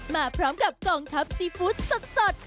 มาพร้อมกับกองทัพซีฟู้ดสด